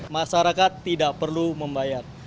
masyarakat tidak perlu membayar